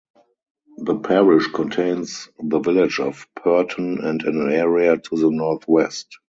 The parish contains the village of Perton and an area to the northwest.